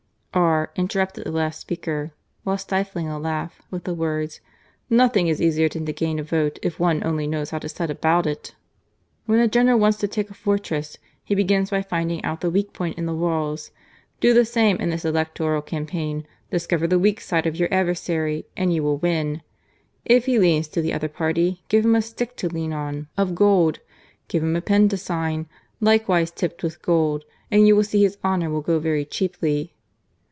R interrupted the last speaker (while stifling a laugh) with the words :Nothing is easier than to gain a vote if one only knows how to set about it. 2 The Lay Rector of the University affecting airs of sanctity. 28 GARCIA MORENO, When a general wants to take a fortress, he begins by finding out the weak point in the walls. Do the same in this electoral campaign ; discover the weak side of your adversary and you will win. If he leans to the other party, give him a stick to lean on — of gold ; give him a pen to sign, likewise tipped with gold, and you will see his honour will go very cheaply